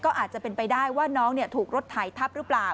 ก็อาจจะเป็นไปได้ว่าน้องถูกรถไถทับหรือเปล่า